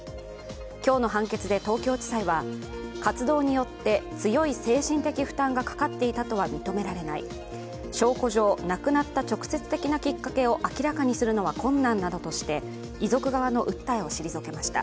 今日の判決で東京地裁は活動によって強い精神的負担がかかっていたとは認められない、証拠上、亡くなった直接的なきっかけを明らかにするのは困難などとして、遺族側の訴えを退けました。